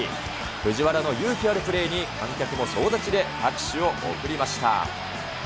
藤原の勇気あるプレーに観客も総立ちで拍手を送りました。